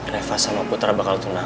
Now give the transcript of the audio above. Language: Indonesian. reva sama putra bakal tunangan